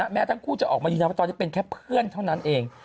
แม้ทั้งคู่ออกมาได้ว่าเท่าที่เป็นเพื่อนเท่านั้นเอง